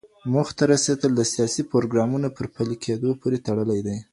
موخو ته رسېدل د سياسي پروګرامونو پر پلي کېدو پوري تړلي دي.